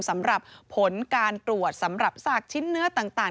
สำหรับผลการตรวจสำหรับซากชิ้นเนื้อต่าง